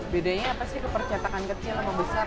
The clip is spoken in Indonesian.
bedanya apa sih ke percetakan kecil sama besar